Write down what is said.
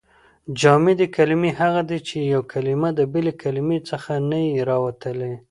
جامدي کلیمې هغه دي، چي یوه کلیمه د بلي کلیمې څخه نه يي راوتلي.